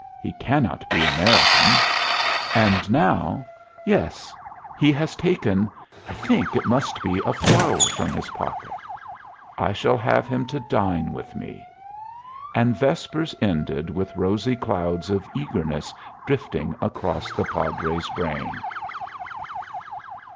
He cannot be American. And now yes, he has taken I think it must be a flower, from his pocket. I shall have him to dine with me." And vespers ended with rosy clouds of eagerness drifting across the Padre's brain.